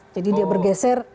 jadi dia bergeser